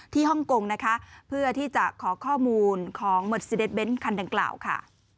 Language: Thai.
ฮ่องกงนะคะเพื่อที่จะขอข้อมูลของเมิร์ดซีเดสเน้นคันดังกล่าวค่ะ